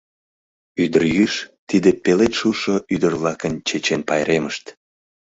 Ӱдырйӱыш — тиде пелед шушо ӱдыр-влакын чечен пайремышт.